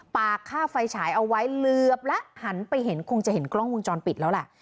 ปากค่าไฟฉายเอาไว้เหลือบแล้วหันไปเห็นคงจะเห็นกล้องวงจรปิดแล้วแหละ